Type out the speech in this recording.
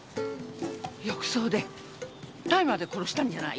浴槽でタイマーで殺したんじゃない？